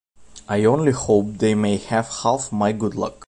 I only hope they may have half my good luck.